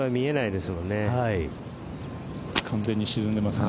完全に沈んでます。